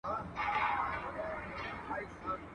o شکوڼ که حلال دئ، رنگ ئې د مردار دئ.